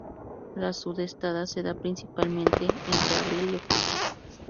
La sudestada se da principalmente entre abril y octubre.